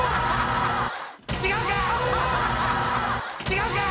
違うか！